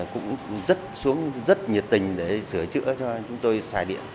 cũng rất xuống rất nhiệt tình để sửa chữa cho chúng tôi xài điện